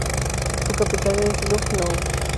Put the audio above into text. Su capital es Lucknow.